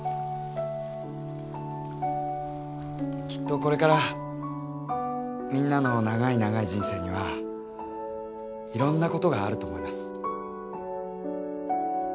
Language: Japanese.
きっとこれからみんなの長い長い人生にはいろんなことがあると思います。